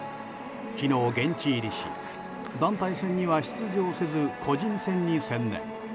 昨日、現地入りし団体戦には出場せず個人戦に専念。